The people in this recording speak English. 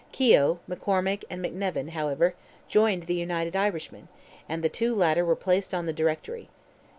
Keogh, McCormick, and McNevin, however, joined the United Irishmen, and the two latter were placed on the Directory.